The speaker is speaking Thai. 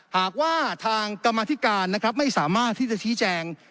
หากว่าทางกรรมธิการนะครับไม่สามารถที่จะชี้แจง